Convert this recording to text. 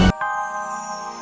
tapi kamu tetap sulit karyanya